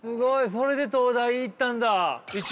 それで東大行ったんだ。